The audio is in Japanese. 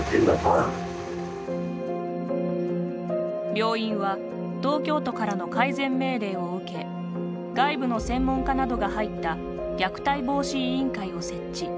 病院は東京都からの改善命令を受け外部の専門家などが入った虐待防止委員会を設置。